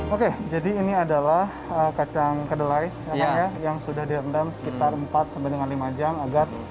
oke jadi ini adalah kacang kedelai yang sudah direndam sekitar empat sampai dengan lima jam agar